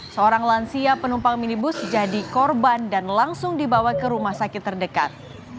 seorang lansia penumpang minibus jadi korban dan langsung dibawa ke rumah sakit terdekat